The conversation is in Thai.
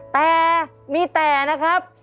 แต่มีแต่นะครับ